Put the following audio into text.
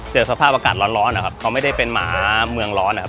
เจอสภาพอากาศร้อนเขาไม่ได้เป็นหมาเมืองร้อน